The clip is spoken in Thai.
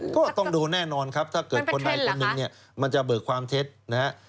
ก็ต้องโดนแน่นอนครับถ้าเกิดคนใดคนหนึ่งเนี่ยมันจะเบิกความเท็จนะฮะ